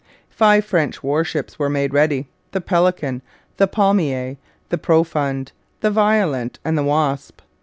Five French warships were made ready the Pelican, the Palmier, the Profond, the Violent, and the Wasp.